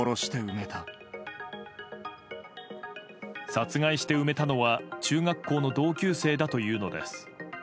殺害して埋めたのは中学校の同級生だというのです。